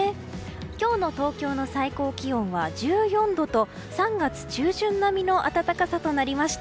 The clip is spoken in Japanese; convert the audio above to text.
今日の東京の最高気温は１４度と３月中旬並みの暖かさとなりました。